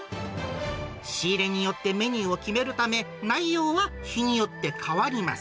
仕入れによってメニューを決めるため、内容は日によって変わります。